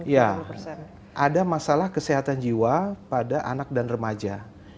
ya ada masalah kesehatan jiwa pada anak dan remaja